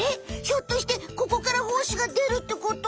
ひょっとしてここからほうしがでるってこと？